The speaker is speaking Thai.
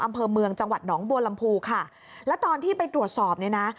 อำเภอเมืองจังหวัดหนองบัวลำพูค่ะแล้วตอนที่ไปตรวจสอบเนี่ยนะ